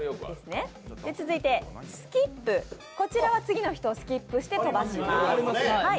続いてスキップ、こちらは次の人をスキップして飛ばします。